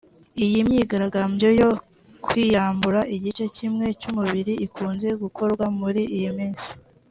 Iyi myigaragambyo yo kwiyambura igice kimwe cy’umubiri ikunze gukorwa muri iyi minsi